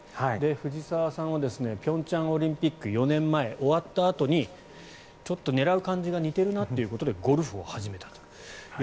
藤澤さんは平昌オリンピック４年前終わったあとにちょっと狙う感じが似てるなということでゴルフを始めたと。